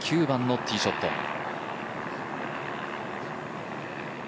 ９番のティーショット。